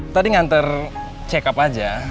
tadi ngantar cekap aja